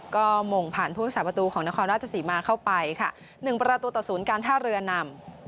ก็หม่งผ่านผู้รักษาประตูของนครราชสีมาเข้าไปค่ะ๑ประตูต่อศูนย์การท่าเรือนำ